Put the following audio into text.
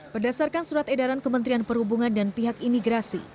berdasarkan surat edaran kementerian perhubungan dan pihak imigrasi